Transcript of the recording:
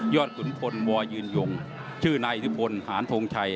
ยอดขุนพลมยืนยงชื่อนายธิพลหานธงชัย